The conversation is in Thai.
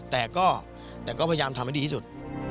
แต่ก็พยายามทำให้ดีที่สุด